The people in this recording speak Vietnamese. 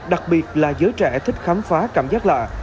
đặc biệt là giới trẻ thích khám phá cảm giác lạ